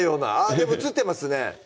でも映ってますね